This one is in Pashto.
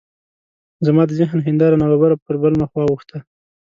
زما د ذهن هنداره ناببره پر بل مخ واوښته.